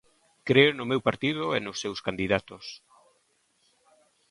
Creo no meu partido e nos seus candidatos.